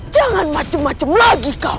jangan macem macem lagi kau